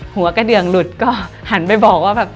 หัวกระเดืองหลุดก็หันไปบอกว่าแบบ